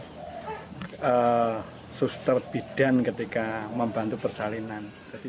jadi saya juga terpidang ketika membantu persalinan